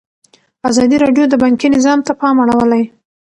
ازادي راډیو د بانکي نظام ته پام اړولی.